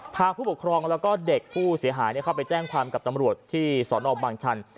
ผู้ปกครองแล้วก็เด็กผู้เสียหายเข้าไปแจ้งความกับตำรวจที่สอนอบางชัน